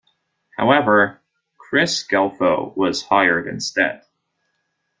However, Chris Scelfo was hired instead.